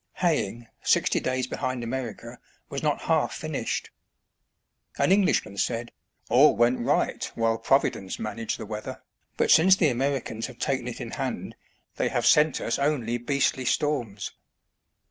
Haying, sixty days behind America, was not half finished. An English man said, " All went right while Providence managed the weather, but since the Americans have taken it in hand, they have sent us only beastly storms."